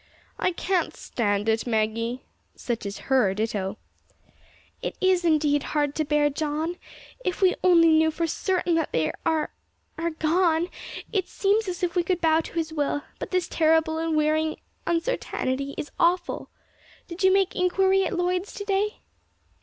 "I can't stand it, Maggie." (Such is her ditto!) "It is, indeed, hard to bear, John. If we only knew for certain that they are are gone, it seems as if we could bow to His will; but this terrible and wearing uncertainty is awful. Did you make inquiry at Lloyd's to day?"